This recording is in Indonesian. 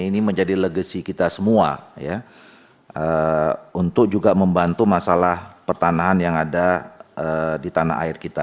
ini menjadi legasi kita semua untuk juga membantu masalah pertanahan yang ada di tanah air kita